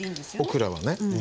オクラはね